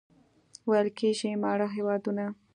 ویل کېږي ماړه هېوادونه.